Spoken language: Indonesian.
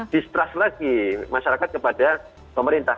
distrust lagi masyarakat kepada pemerintah